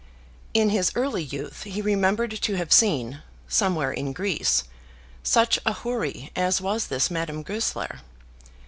In his early youth he remembered to have seen, somewhere in Greece, such a houri as was this Madame Goesler.